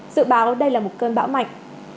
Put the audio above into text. dự báo đây là một cơn bão mạnh